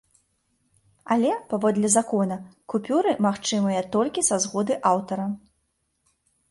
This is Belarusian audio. Але, паводле закона, купюры магчымыя толькі са згоды аўтара.